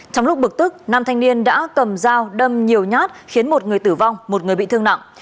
trong lúc bực tức nam thanh niên đã cầm dao đâm nhiều nhát khiến một người tử vong một người bị thương nặng